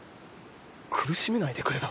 苦しめないでくれだ？